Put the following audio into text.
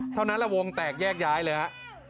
เท่านั้นแหละวงแตกแยกย้ายเลยฮะ